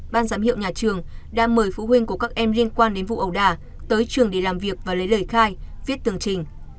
ban giám hiệu nhà trường đã mời phụ huynh của các em liên quan đến vụ ẩu đà tới trường để làm việc và lấy lời khai viết tường trình